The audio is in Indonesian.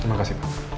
terima kasih pak